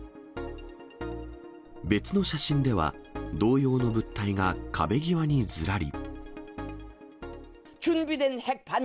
別の写真では、同様の物体が壁際にずらり。